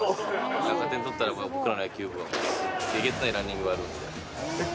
赤点取ったら僕ら野球部はえげつないランニングがあるんで。